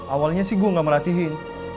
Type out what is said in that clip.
awalnya sih gue gak melatihin